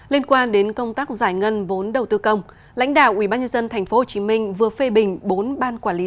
liên quan đến công tác giải ngân vốn đầu tư công lãnh đạo ubnd tp hcm vừa phê bình bốn ban quản lý